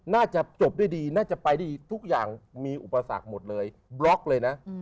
น่าจะจบด้วยดีน่าจะไปได้ดีทุกอย่างมีอุปสรรคหมดเลยบล็อกเลยนะ